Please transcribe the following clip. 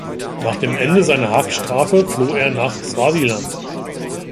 Nach dem Ende seiner Haftstrafe floh er nach Swasiland.